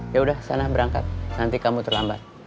yaudah sana berangkat nanti kamu terlambat